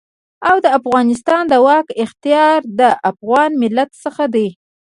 او د افغانستان د واک اختيار له افغان ملت څخه دی.